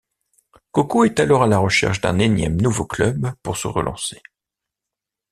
Coco est alors à la recherche d'un énième nouveau club pour se relancer.